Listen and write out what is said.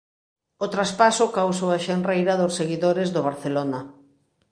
O traspaso causou a xenreira dos seguidores do Barcelona.